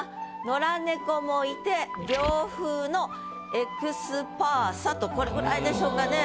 「野良猫もいて涼風のＥＸＰＡＳＡ」とこれぐらいでしょうかね。